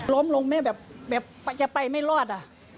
ล้มลงแม่แบบจะไปไม่รอด